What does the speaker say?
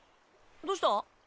どうした？